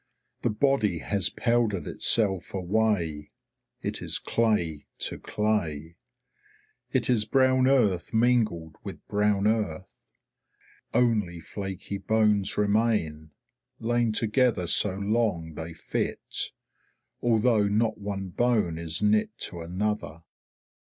The body has powdered itself away; it is clay to clay. It is brown earth mingled with brown earth. Only flaky bones remain, lain together so long they fit, although not one bone is knit to another.